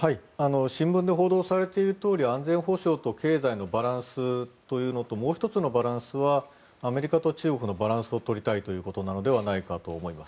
新聞で報道されているとおり安全保障と経済のバランスというのともう１つのバランスはアメリカと中国のバランスを取りたいということなのではないかと思います。